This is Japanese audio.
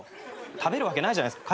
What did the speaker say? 食べるわけないじゃないですか。